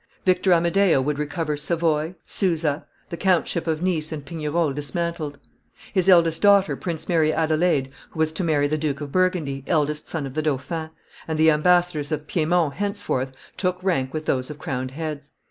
Victor Amadeo would recover Savoy, Suza, the countship of Nice and Pignerol dismantled; his eldest daughter, Princess Mary Adelaide, was to marry the Duke of Burgundy, eldest son of the dauphin, and the ambassadors of Piedmont henceforth took rank with those of crowned heads.